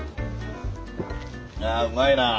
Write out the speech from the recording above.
あうまいなあ。